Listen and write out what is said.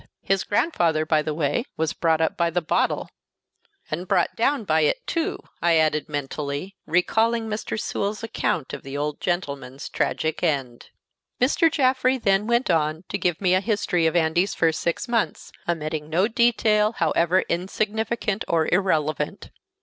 His grandfather, by the way, was brought up by the bottle " and brought down by it, too, I added mentally, recalling Mr. Sewell's account of the old gentleman's tragic end. Mr. Jaffrey then went on to give me a history of Andy's first six months, omitting no detail however insignificant or irrelevant.